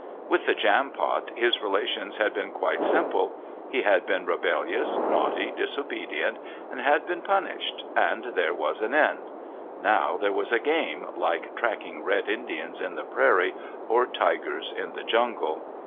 With the Jampot his relations had been quite simple; he had been rebellious, naughty, disobedient, and had been punished, and there was an end. Now there was a game like tracking Red Indians in the prairie or tigers in the jungle.